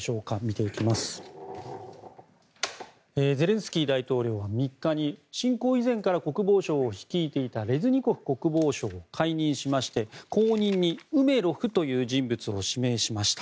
ゼレンスキー大統領は３日に侵攻以前から国防省を率いていたレズニコフ国防相を解任しまして後任にウメロフという人物を指名しました。